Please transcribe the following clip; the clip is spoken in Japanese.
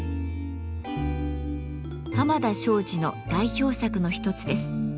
濱田庄司の代表作の一つです。